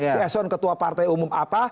si eson ketua partai umum apa